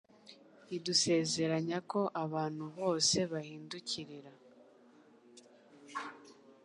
ridusezeranya ko abantu bose bahindukirira